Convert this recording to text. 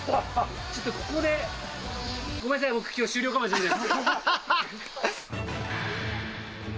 ちょっとここで、ごめんなさい、僕終了かもしれないです。